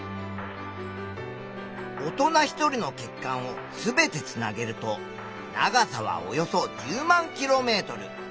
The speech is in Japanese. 大人１人の血管を全てつなげると長さはおよそ１０万ｋｍ。